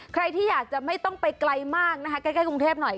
ใครที่อยากจะไม่ต้องไปไกลมากนะคะใกล้กรุงเทพหน่อย